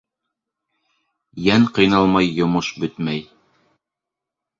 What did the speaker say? Йән ҡыйналмай йомош бөтмәй.